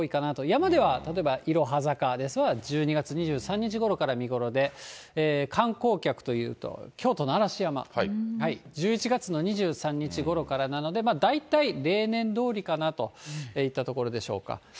山では例えばいろは坂ですと、１２月２３日ごろから見頃で、観光客というと京都の嵐山、１１月の２３日ごろからなので、大体例年どおりかなといったところでしょうか。